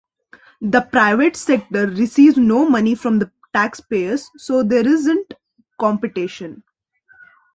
The private sector receives no money from taxpayers, so there isn't competition.